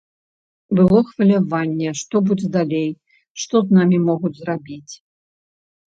Было хваляванне, што будзе далей, што з намі могуць зрабіць.